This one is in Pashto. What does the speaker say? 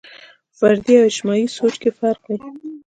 فردي او اجتماعي سوچ کې فرق وي.